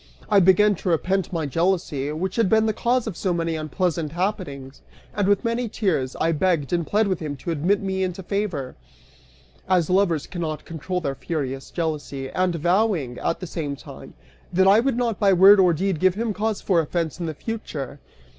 I began to repent my jealousy, which had been the cause of so many unpleasant happenings) and with many tears, I begged and pled with him to admit me into favor, as lovers cannot control their furious jealousy, and vowing, at the same time, that I would not by word or deed give him cause for offense in the future.